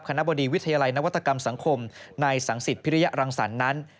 บดีวิทยาลัยนวัตกรรมสังคมนายสังสิทธิพิริยรังสรรค์นั้น